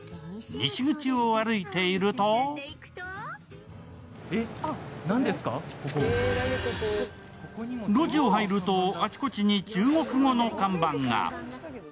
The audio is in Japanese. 西口を歩いていると路地を入るとあちこちに中国語の看板が。